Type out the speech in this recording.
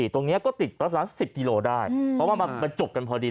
ตรงนี้ก็ติดประมาณ๑๐กิโลได้เพราะว่ามันจบกันพอดี